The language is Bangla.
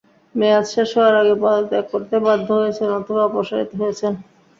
মেয়াদ শেষ হওয়ার আগে পদত্যাগ করতে বাধ্য হয়েছেন অথবা অপসারিত হয়েছেন।